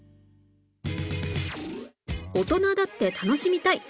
大人だって楽しみたい！